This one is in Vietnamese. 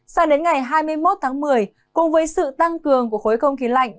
sang đến ngày hai mươi một tháng một mươi cùng với sự tăng cường của khối không khí lạnh